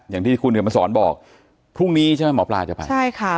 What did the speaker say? อย่างที่คุณเห็นมาสอนบอกพรุ่งนี้ใช่ไหมหมอปลาจะไปใช่ค่ะ